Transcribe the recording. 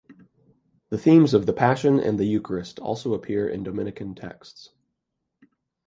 The themes of the Passion and the Eucharist also appear in Dominican texts.